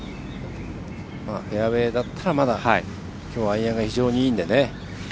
フェアウエーだったらまだきょうアイアンが非常にいいので。